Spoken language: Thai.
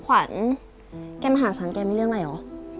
ขวัญแกมาหาฉันแกมีเรื่องอะไรเหรอ